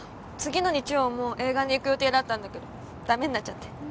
次の日曜も映画に行く予定だったんだけど駄目になっちゃって。